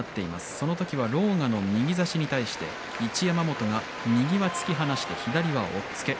その時は狼雅の右差しに対して一山本が右が突き放して左は押っつけ